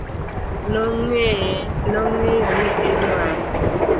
nong'eyo ni idware